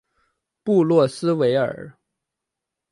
布洛斯维尔。